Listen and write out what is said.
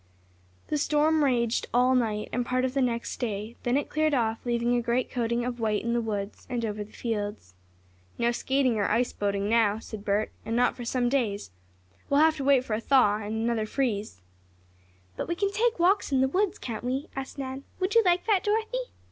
The storm raged all night, and part of the next day. Then it cleared off, leaving a great coating of white in the woods, and over the fields. "No skating or ice boating now," said Bert, "and not for some days. We'll have to wait for a thaw and another freeze." "But we can take walks in the woods; can't we?" asked Nan. "Would you like that, Dorothy?"